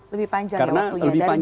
lebih panjang ya waktunya